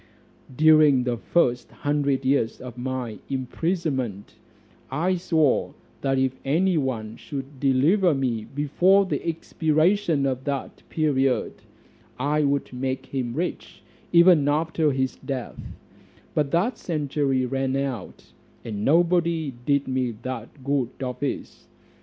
"During the first hundred years of my imprisonment, I swore that if any one should deliver me before the expiration of that period, I would make him rich, even after his death: but that century ran out, and nobody did me that good office.